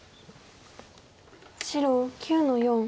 白９の四。